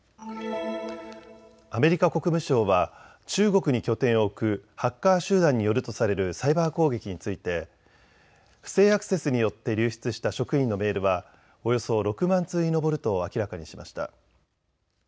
アメリカ国務省は中国に拠点を置くハッカー集団によるとされるサイバー攻撃について不正アクセスによって流出した職員のメールは、およそ６万通に上ると明らかにしました。